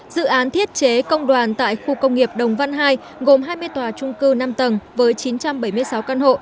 dự án thiết chế công đoàn tại khu công nghiệp đồng văn hai gồm hai mươi tòa trung cư năm tầng với chín trăm bảy mươi sáu căn hộ